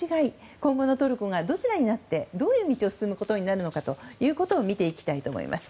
今後のトルコがどちらになってどういう道を進むことになるのかということを見ていきたいと思います。